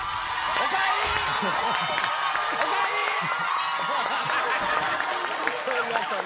おかえり！